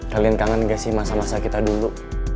kalian kangen gak sih masa masa kita dulu